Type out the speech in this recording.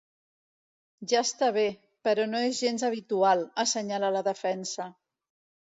Ja està bé, però no és gens habitual, assenyala la defensa.